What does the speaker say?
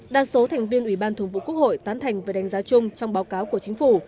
đa số thành viên ủy ban thường vụ quốc hội tán thành về đánh giá chung trong báo cáo của chính phủ